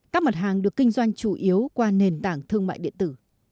các mặt hàng được kinh doanh chủ yếu qua nền tảng thương mại điện tử